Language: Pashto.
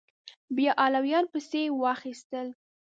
بیا علویان پسې واخیستل